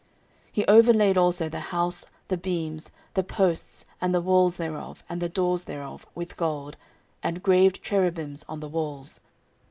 14:003:007 He overlaid also the house, the beams, the posts, and the walls thereof, and the doors thereof, with gold; and graved cherubims on the walls.